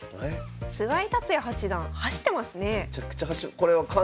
菅井竜也八段走ってますね。